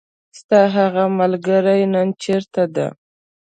ستاهغه ملګری نن چیرته ده .